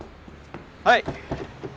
はい！